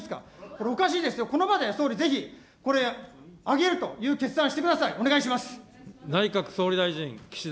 これおかしいですよ、この場で、総理、ぜひ、これ、上げるという決断をしてください、お願いします。